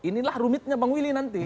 inilah rumitnya bang willy nanti